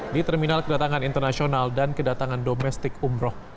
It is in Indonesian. di terminal kedatangan internasional dan kedatangan domestik umroh